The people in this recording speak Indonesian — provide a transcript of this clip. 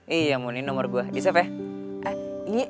iya mun ini nomer gua di safe ya